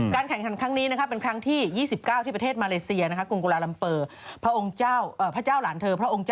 การแข่งขันครั้งนี้นะครับเป็นครั้งที่๒๙ที่ประเทศมาเลเซียนะครับกุงกุลาลำเปอร์